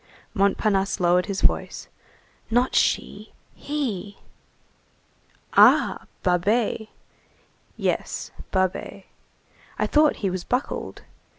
Montparnasse lowered his voice:— "Not she, he." "Ah! Babet." "Yes, Babet." "I thought he was buckled."